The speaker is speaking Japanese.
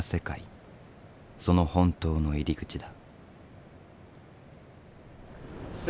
その本当の入り口だ。